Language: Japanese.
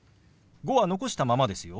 「５」は残したままですよ。